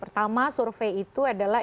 pertama survei itu adalah